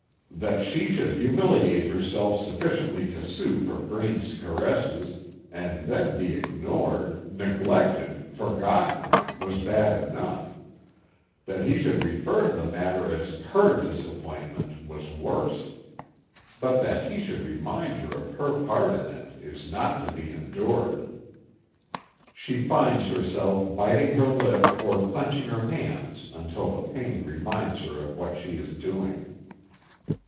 That she should humiliate herself sufficiently to sue for Braine's caresses, and then be ignored, neglected, forgotten, was bad enough; that he should refer to the matter as her disappointment was worse; but that he should remind her of her part in it, is not to be endured. She finds herself biting her lip or clenching her hands until the pain reminds her of what she is doing.